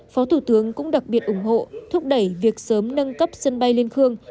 phó thủ tướng cũng đặc biệt ủng hộ thúc đẩy việc sớm nâng cấp sân bay liên khương